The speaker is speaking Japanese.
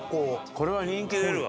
これは人気出るわ！